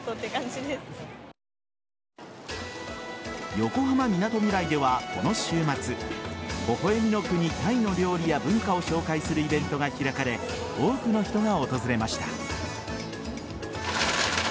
横浜・みなとみらいではこの週末微笑みの国・タイの料理や文化を紹介するイベントが開かれ多くの人が訪れました。